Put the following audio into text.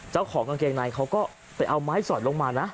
เจ้าของกางเกงในเขาก็ไปเอาไม้สอยลงมานะ